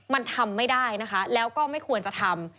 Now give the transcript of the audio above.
มันทำไม่ได้นะคะแล้วก็ไม่ควรจะทำ